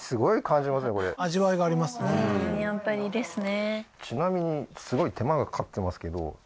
やっぱりいいですね